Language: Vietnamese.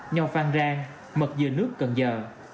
nhò phan rang mật dừa nước cần giờ